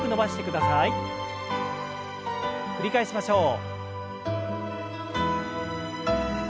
繰り返しましょう。